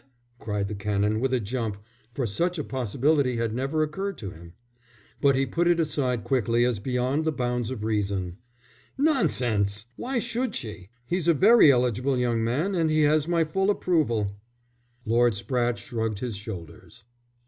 cried the Canon, with a jump, for such a possibility had never occurred to him. But he put it aside quickly as beyond the bounds of reason. "Nonsense! Why should she? He's a very eligible young man, and he has my full approval." Lord Spratte shrugged his shoulders.